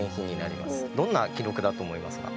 どんな記録だと思いますか？